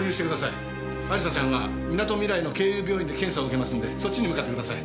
亜里沙ちゃんがみなとみらいのけいゆう病院で検査を受けますんでそっちに向かってください。